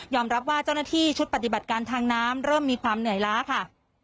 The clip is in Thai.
รับว่าเจ้าหน้าที่ชุดปฏิบัติการทางน้ำเริ่มมีความเหนื่อยล้าค่ะ